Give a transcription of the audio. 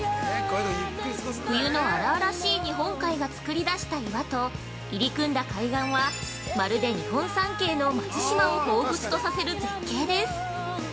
冬の荒々しい日本海が作り出した岩と、入り組んだ海岸はまるで日本三景の松島をほうふつとさせる絶景です。